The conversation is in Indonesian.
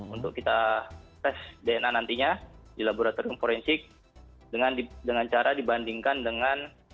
untuk kita tes dna nantinya di laboratorium forensik dengan cara dibandingkan dengan